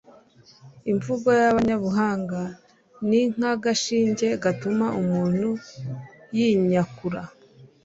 imvugo y'abanyabuhanga ni nk'agashinge gatuma umuntu yinyakura